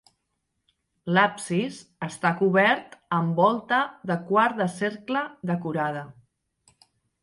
L'absis està cobert amb volta de quart de cercle decorada.